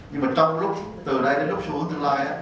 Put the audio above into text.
nhưng mà trong lúc từ đây đến lúc xu hướng tương lai